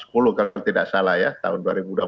kalau tidak salah ya tahun dua ribu dua puluh satu